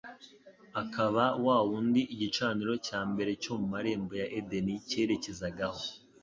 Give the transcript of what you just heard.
akaba Wa wundi igicaniro cya mbere cyo mu marembo ya Edeni cyerekezagaho